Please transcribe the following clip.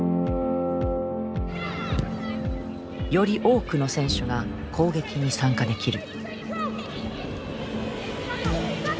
より多くの選手が攻撃に参加できる。